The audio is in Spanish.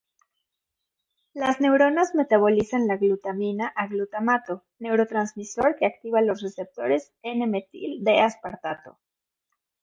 Las neuronas metabolizan la glutamina a glutamato, neurotransmisor que activa los receptores N-metil D-aspartato.